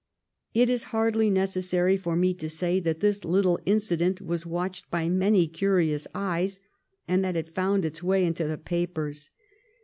It is hardly necessary for me to say that this little incident was watched by many curious eyes, and that it found its way into the papers.